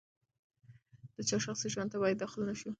د چا شخصي ژوند ته باید داخل نه شو.